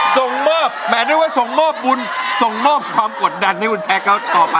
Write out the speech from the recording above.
ส่งมอบหมายด้วยว่าส่งมอบบุญส่งมอบความกดดันให้คุณแท็กเขาต่อไป